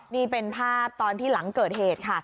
นี่เป็นภาพตอนที่หลังเกิดเหตุค่ะ